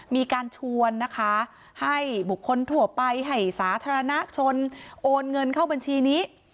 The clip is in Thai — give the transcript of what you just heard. มีการชวนนะคะให้บุคคลทั่วไปให้สาธารณชนโอนเงินเข้าบัญชีนี้